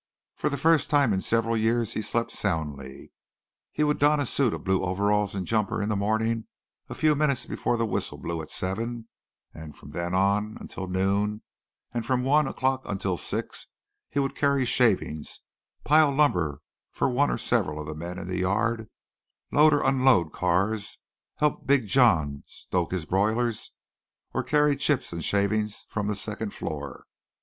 For the first time in several years he slept soundly. He would don his suit of blue overalls and jumper in the morning a few minutes before the whistle blew at seven and from then on until noon, and from one o'clock until six he would carry shavings, pile lumber for one or several of the men in the yard, load or unload cars, help Big John stoke his boilers, or carry chips and shavings from the second floor.